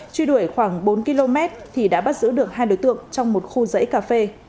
truy đuổi khoảng bốn km thì đã bắt giữ được hai đối tượng trong một khu dãy cà phê